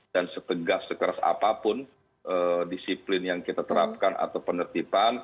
dan setegas sekeras apapun disiplin yang kita terapkan atau penertipan